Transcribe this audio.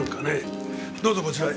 どうぞこちらへ。